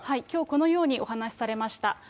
きょうこのようにお話しされました。